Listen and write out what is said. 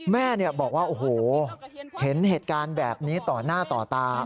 แม่บอกว่าโอ้โหเห็นเหตุการณ์แบบนี้ต่อหน้าต่อตา